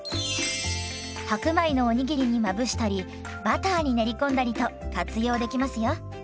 白米のお握りにまぶしたりバターに練り込んだりと活用できますよ。